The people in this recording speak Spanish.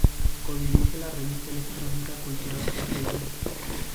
Codirige la revista electrónica Culturas populares.